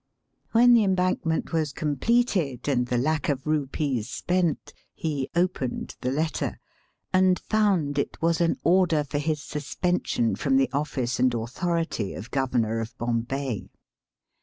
When the embankment was completed and the lac of rupees spent, he opened the letter, and found it was an order for his suspension from the office and authority of Governor of Bombay.